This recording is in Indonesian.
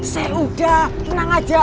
seudah tenang aja